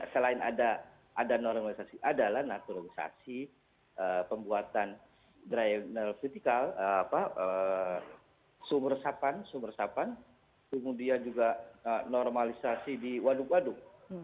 selain ada normalisasi ada naturalisasi pembuatan drainel kritikal sumber resapan kemudian juga normalisasi di waduk waduk